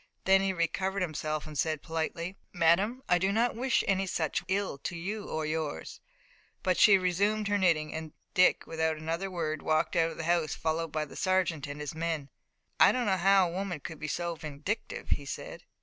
Then he recovered himself and said politely: "Madame, I do not wish any such ill to you or yours." But she had resumed her knitting, and Dick, without another word, walked out of the house, followed by the sergeant and his men. "I did not know a woman could be so vindictive," he said.